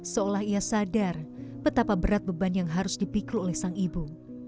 seolah ia sadar betapa berat beban yang harus dipikul oleh sang ibu